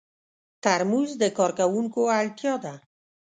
ترموز د کارکوونکو اړتیا ده.